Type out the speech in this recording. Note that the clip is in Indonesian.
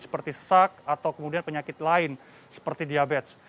seperti sesak atau kemudian penyakit lain seperti diabetes